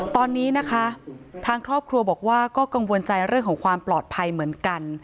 ตอนนี้นะคะทางครอบครัวบอกว่าก็กังวลใจเรื่องของความปลอดภัยเหมือนกัน